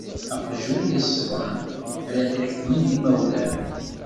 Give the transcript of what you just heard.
Aqjun iṣṣḍen, ara t-iḥekmen d imawlan.